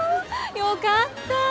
よかった。